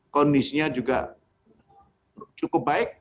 kondisinya juga cukup baik